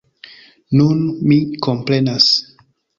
Nun, mi komprenas.